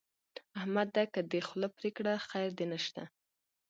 احمد ده که دې خوله پرې کړه؛ خير دې نه شته.